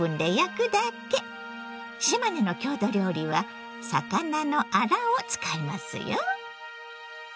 島根の郷土料理は「魚のあら」を使いますよ！